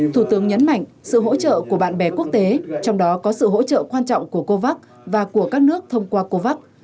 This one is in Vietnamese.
thủ tướng nhấn mạnh sự hỗ trợ của bạn bè quốc tế trong đó có sự hỗ trợ quan trọng của covax và của các nước thông qua covax